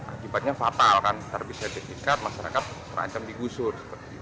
akibatnya fatal kan terbisa dikikat masyarakat terancam digusur